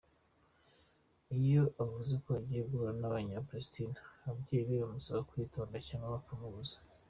Iyo avuze ko agiye guhura n’abanya-Palestina, ababyeyi be bamusaba kwitonda cyangwa bakamubuza.